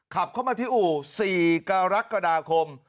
ขับเข้ามาที่อู่๔กรกฎาคม